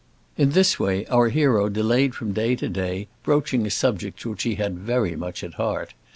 In this way our hero delayed from day to day broaching a subject which he had very much at heart.